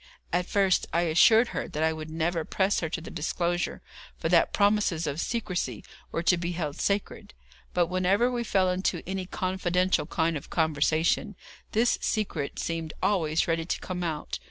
At first I assured her that I would never press her to the disclosure, for that promises of secrecy were to be held sacred; but whenever we fell into any confidential kind of conversation, this secret seemed always ready to come out.